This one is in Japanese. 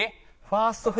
ファースト。